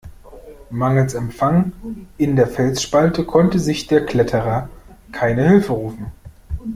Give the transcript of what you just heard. Mangels Empfang in der Felsspalte konnte sich der Kletterer keine Hilfe rufen.